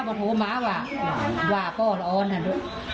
บอกโทม้าว่าก้ออลออนบุญพวดบุญพวดอย่างนี้